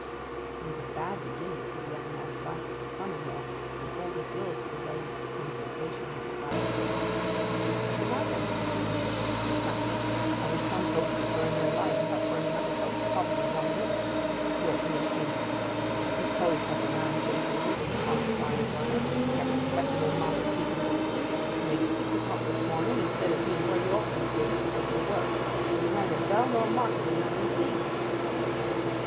It was a bad beginning for the young man's life as a son in law, and augured ill for the delicate consultation he desired. 'What's the matter?' said Jim. 'Matter! I wish some folks would burn their lime without burning other folks' property along wi' it. You ought to be ashamed of yourself. You call yourself a man, Jim Hayward, and an honest lime burner, and a respectable, market keeping Christen, and yet at six o'clock this morning, instead o' being where you ought to ha' been—at your work, there was neither vell or mark o' thee to be seen!